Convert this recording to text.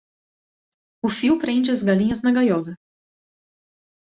O fio prende as galinhas na gaiola.